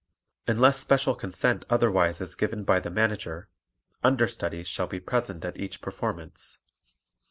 Unless special consent otherwise is given by the Manager, understudies shall be present at each performance.